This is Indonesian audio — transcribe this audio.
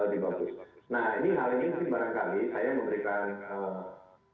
nah hal ini mungkin barangkali